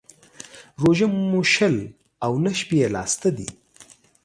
روژه مو شل او نه شپې يې لا سته دى.